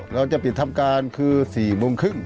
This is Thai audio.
เราจะปิดทำการคือ๔๓๐น